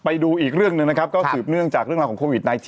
ไปดูอีกเรื่องหนึ่งนะครับก็สืบเนื่องจากเรื่องราวของโควิด๑๙